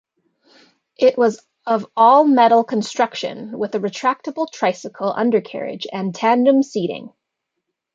It was of all-metal construction with a retractable tricycle undercarriage and tandem seating.